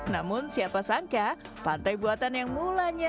namun siapa sangka pantai buatan yang mulanya